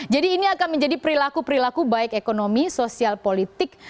jadi ini akan menjadi perilaku perilaku baik ekonomi sosial politik